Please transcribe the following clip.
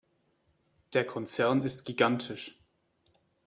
Der Konzern ist gigantisch.